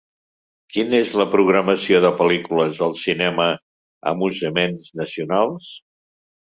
quina és la programació de pel·lícules al cinema Amusements Nacionals